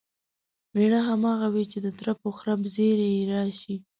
مېړه همغه وي چې د ترپ و خرپ زیري یې راشي.